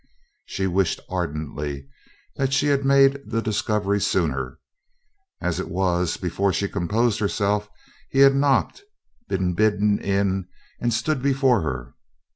She wished ardently that she had made the discovery sooner. As it was, before she composed herself, he had knocked, been bidden in and stood before her.